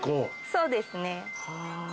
そうですね。